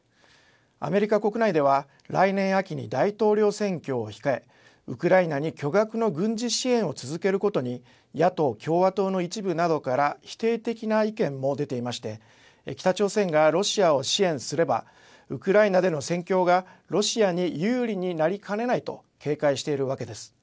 アメリカ国内では来年秋に大統領選挙を控えウクライナに巨額の軍事支援を続けることに野党・共和党の一部などから否定的な意見も出ていまして北朝鮮がロシアを支援すればウクライナでの戦況がロシアに有利になりかねないと警戒しているわけです。